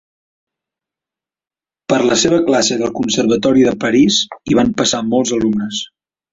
Per la seva classe del Conservatori de París hi van passar molts alumnes.